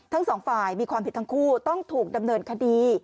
ทั้งสองฝ่ายมีความผิดทั้งคู่ต้องถูกดำเนินคดี